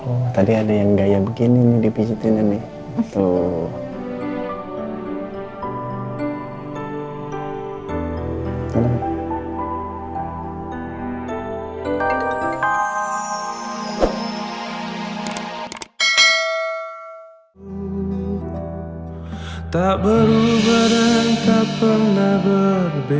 oh tadi ada yang gaya begini nih dipicitinnya nih